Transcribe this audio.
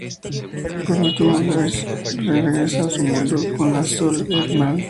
Por último, Blaze regresa a su mundo con las Sol Emeralds.